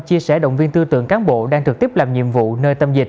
chia sẻ động viên tư tưởng cán bộ đang trực tiếp làm nhiệm vụ nơi tâm dịch